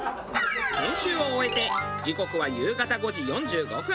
研修を終えて時刻は夕方５時４５分。